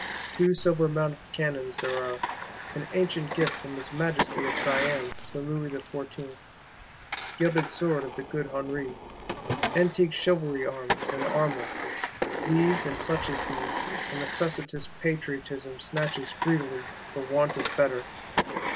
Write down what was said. Two silver mounted cannons there are; an ancient gift from his Majesty of Siam to Louis Fourteenth: gilt sword of the Good Henri; antique Chivalry arms and armour. These, and such as these, a necessitous Patriotism snatches greedily, for want of better.